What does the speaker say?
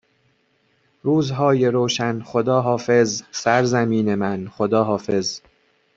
روزهای روشن خداحافظ سرزمین من خداحافظ